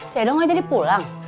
cedok nggak jadi pulang